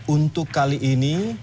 untuk kali ini